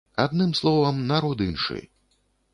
Адным словам, народ іншы.